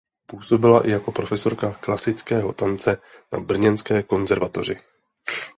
Působila i jako profesorka klasického tance na brněnské konzervatoři.